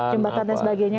jembatan dan sebagainya